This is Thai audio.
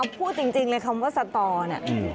พูดจริงเลยคำว่าสตอเนี่ย